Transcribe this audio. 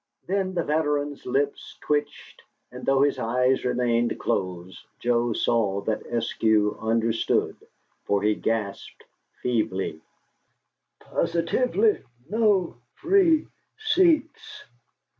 Then the veteran's lips twitched, and though his eyes remained closed, Joe saw that Eskew understood, for he gasped, feebly: "Pos i tive ly no free seats!"